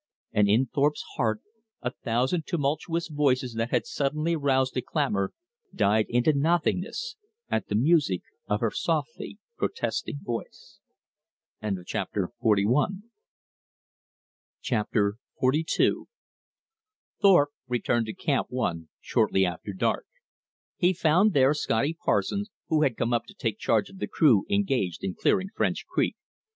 And in Thorpe's heart a thousand tumultuous voices that had suddenly roused to clamor, died into nothingness at the music of her softly protesting voice. Chapter XLII Thorpe returned to Camp One shortly after dark. He found there Scotty Parsons, who had come up to take charge of the crew engaged in clearing French Creek.